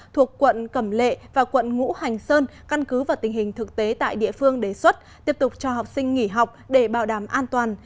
thuộc quận cẩm lệ và quận ngũ hành sơn căn cứ vào tình hình thực tế tại địa phương đề xuất tiếp tục cho học sinh nghỉ học để bảo đảm an toàn